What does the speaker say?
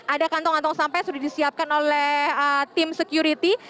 ada kantong kantong sampah yang sudah disiapkan oleh tim security